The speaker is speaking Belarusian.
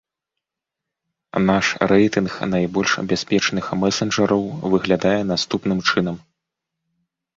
Наш рэйтынг найбольш бяспечных месенджараў выглядае наступным чынам.